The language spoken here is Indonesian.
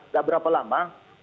tidak berapa lama